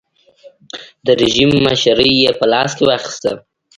د رژیم مشري یې په لاس کې واخیسته.